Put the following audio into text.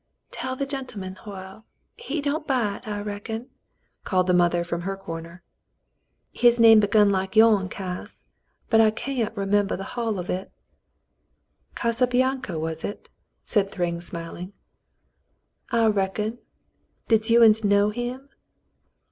"Tell the gentleman, Hoyle. He don't bite, I reckon," called the mother from her corner. "His name begun like yourn, Cass, but I cyan't re membah the hull of it." "Casablanca, was it ?" said Thryng, smiling. "I reckon. Did you uns know him